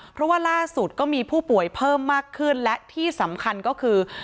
เพราะว่าล่าสุดก็มีผู้ป่วยเพิ่มมากขึ้นและที่สำคัญก็คือ